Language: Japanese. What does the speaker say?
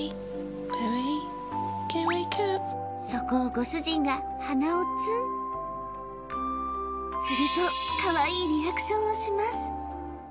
そこをご主人が鼻をツンするとカワイイリアクションをします